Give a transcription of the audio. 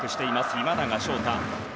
今永昇太。